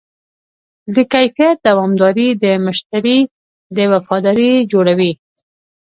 د کیفیت دوامداري د مشتری وفاداري جوړوي.